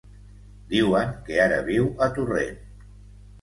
Diuen que ara viu a Torrent.